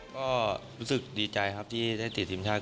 ก็รู้สึกดีใจครับที่ได้ติดทีมชาติ